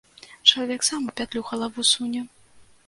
Чалавек сам у пятлю галаву суне.